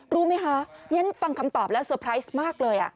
รู้ไหมคะฉันฟังคำตอบแล้วเตอร์ไพรส์มากเลย